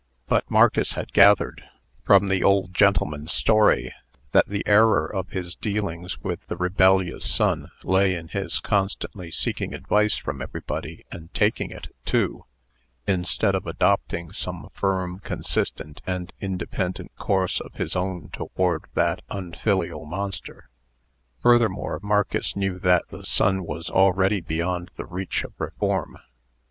But Marcus had gathered, from the old gentleman's story, that the error of his dealings with the rebellious son lay in his constantly seeking advice from everybody, and taking it, too, instead of adopting some firm, consistent, and independent course of his own toward that unfilial monster. Furthermore, Marcus knew that the son was already beyond the reach of reform.